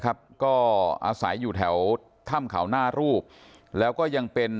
ครับก็อาศัยอยู่แถวถ้ำเขาหน้ารูปแล้วก็ยังเป็น